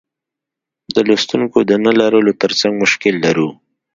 د لوستونکیو د نه لرلو ترڅنګ مشکل لرو.